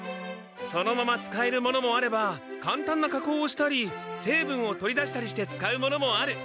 そのまま使えるものもあればかんたんなかこうをしたりせいぶんを取り出したりして使うものもある。